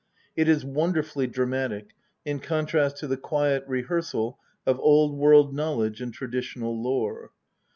It is wonderfully dramatic in contrast to the quiet rehearsal of old world knowledge and traditional lore.